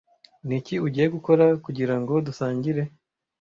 Niki ugiye gukora kugirango dusangire?